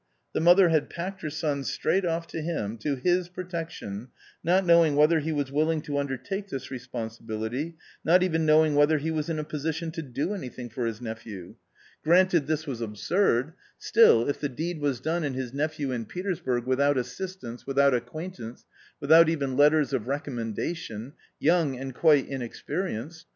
The mother had packed her son straight off to him, to his protection, not knowing whether he was willing to under take this responsibility, not even knowing whether he was in a position to do anything for his nephew. Granted this A COMMON STORY 33 was absurd ; still if the deed was done and his nephew Jin Petersburg, without assistance, without acquaintance, J without even letters of recommendation, young and quite inexperienced ....